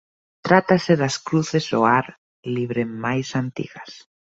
Trátase das cruces ao ar libre máis antigas.